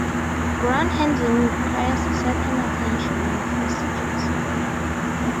Ground handling requires certain attention and procedures.